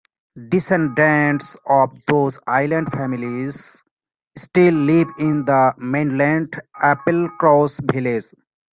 Descendants of those island families still live in the mainland Applecross village.